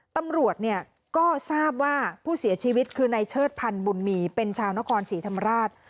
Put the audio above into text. ตำรวจเนี่ยก็ทราบว่าผู้เสียชีวิตคือในเชิดพันธ์บุญมีเป็นชาวนครศรีธรรมราช